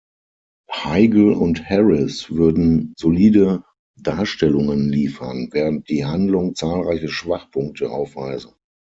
Heigl und Harris würden „"solide Darstellungen"“ liefern während die Handlung zahlreiche Schwachpunkte aufweise.